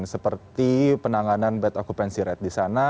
seperti penanganan bad occupancy rate di sana